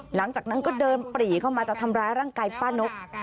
หลังจากนั้นก็เดินปรีเข้ามาจะทำร้ายร่างกายป้านก